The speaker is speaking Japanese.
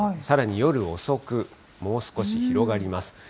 さらに夜遅く、もう少し広がります。